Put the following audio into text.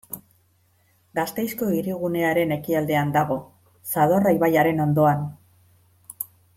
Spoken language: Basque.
Gasteizko hirigunearen ekialdean dago, Zadorra ibaiaren ondoan.